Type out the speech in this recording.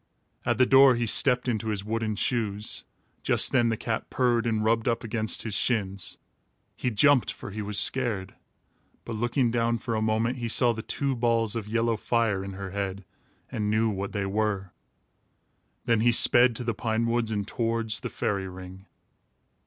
At the door he stepped into his wooden shoes. Just then the cat purred and rubbed up against his shins. He jumped, for he was scared; but looking down, for a moment, he saw the two balls of yellow fire in her head and knew what they were. Then he sped to the pine woods and towards the fairy ring.